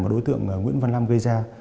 mà đối tượng nguyễn văn lam gây ra